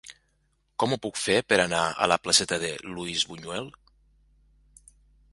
Com ho puc fer per anar a la placeta de Luis Buñuel?